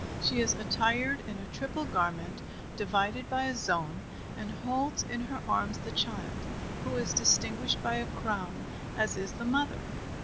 She is attired in a triple garment, divided by a zone, and holds in her arms the child, who is distinguished by a crown, as is the mother.